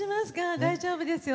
大丈夫ですよ。